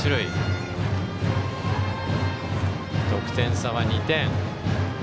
得点差は２点。